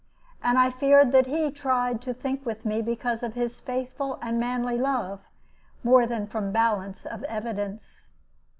And I feared that he tried to think with me because of his faithful and manly love, more than from balance of evidence.